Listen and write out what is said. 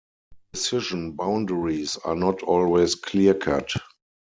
Decision boundaries are not always clear cut.